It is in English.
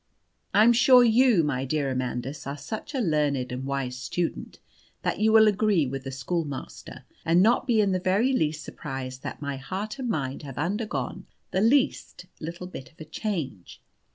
I'm sure you, my dear Amandus, are such a learned and wise student that you will agree with the schoolmaster, and not be in the very least surprised that my heart and mind have undergone the least little bit of a change.